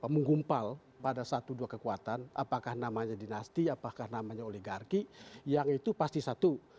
menggumpal pada satu dua kekuatan apakah namanya dinasti apakah namanya oligarki yang itu pasti satu